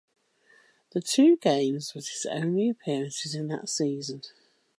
Those two games was his only appearances in that season.